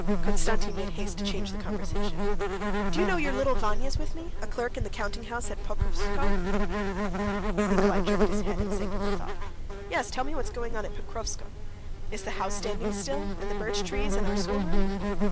Konstantin made haste to change the conversation. "Do you know your little Vanya's with me, a clerk in the countinghouse at Pokrovskoe." Nikolay jerked his neck, and sank into thought. "Yes, tell me what's going on at Pokrovskoe. Is the house standing still, and the birch trees, and our schoolroom?